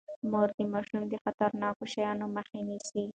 مور د ماشوم د خطرناکو شيانو مخه نيسي.